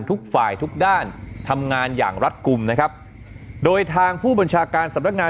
ทุกฝ่ายทุกด้านทำงานอย่างรัฐกลุ่มนะครับโดยทางผู้บัญชาการสำนักงาน